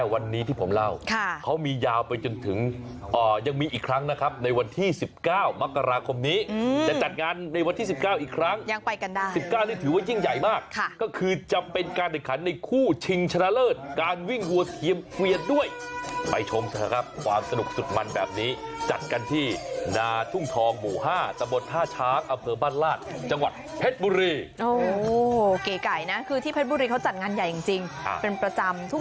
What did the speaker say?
วันที่๑๙มกราคมนี้จะจัดงานในวันที่๑๙อีกครั้งยังไปกันได้๑๙นี่ถือว่ายิ่งใหญ่มากค่ะก็คือจะเป็นการเนื้อขันในคู่ชิงชนะเลิศการวิ่งวัวเทียมเฟียดด้วยไปชมค่ะครับความสนุกสุดมันแบบนี้จัดการที่นาทุ่งทองหมู่๕ตะบดท่าช้างอเผิดบ้านลาดจังหวัดเพชรบุรีโอ้โหเก๋ไก่นะคือที่เพช